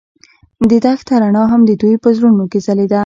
د دښته رڼا هم د دوی په زړونو کې ځلېده.